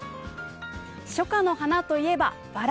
初夏の花といえばバラ。